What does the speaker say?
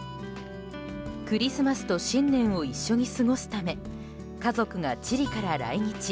クリスマスと新年を一緒に過ごすため家族がチリから来日。